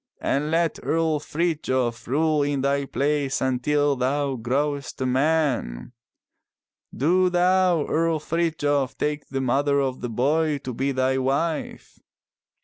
And let Earl Frithjof rule in thy place until thou growest a man. Do thou. Earl Frithjof, take the mother of the boy to be thy wife!"